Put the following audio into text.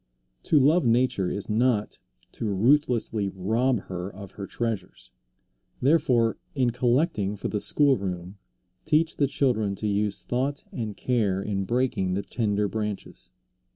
To love nature is not to ruthlessly rob her of her treasures. Therefore in collecting for the school room teach the children to use thought and care in breaking the tender branches.